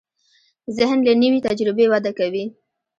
ذهن له نوې تجربې وده کوي.